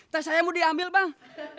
teh saya mau diambil bang